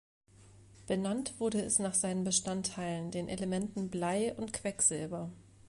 Benannt wurde es nach seinen Bestandteilen, den Elementen Blei und Quecksilber.